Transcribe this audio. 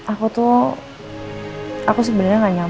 aku tuh aku sebenarnya